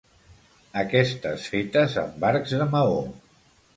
Aquestes fetes amb arcs de maó.